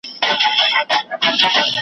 او ستا پت مي په مالت کي دی ساتلی .